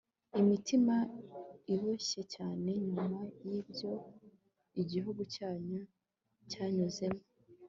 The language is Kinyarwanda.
imitima iboshye cyane nyuma y'ibyo igihugu cyacu cyanyuzemo